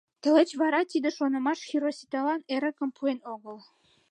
Тылеч вара тиде шонымаш Хироситалан эрыкым пуэн огыл.